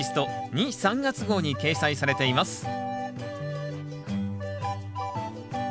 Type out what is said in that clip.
・３月号に掲載されています